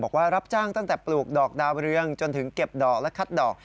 บอกว่ารับจ้างตั้งแต่ปลูกดอกดาวเรืองจนถึงเก็บดอกและคัดดอก